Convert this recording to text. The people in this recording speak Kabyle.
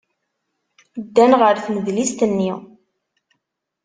Ddan ɣer tnedlist-nni.